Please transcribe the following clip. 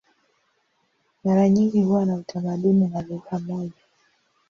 Mara nyingi huwa na utamaduni na lugha moja.